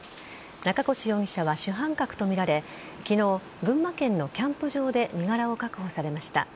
中越容疑者は主犯格とみられ昨日、群馬県のキャンプ場で身柄を確保されました。